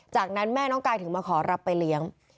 จากนั้นแม่น้องกายถึงมาขอรับไปเลี้ยง